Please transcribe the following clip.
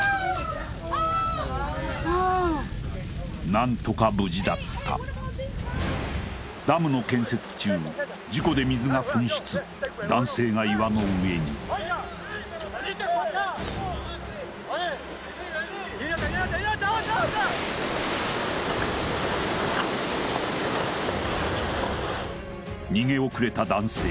何とか無事だったダムの建設中事故で水が噴出男性が岩の上に逃げ遅れた男性